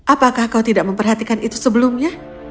apakah kau tidak memperhatikan itu sebelumnya